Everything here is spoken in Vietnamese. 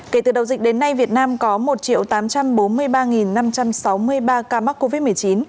kể từ đầu dịch đến nay việt nam có một tám trăm bốn mươi ba năm trăm sáu mươi ba ca mắc covid một mươi chín